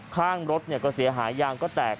ข้างรถก็เสียหายยางก็แตก